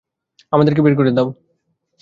আমাদেরকে বের হতে দাও।